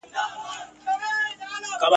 ډېر پخوا چي نه موټر او نه سایکل وو ..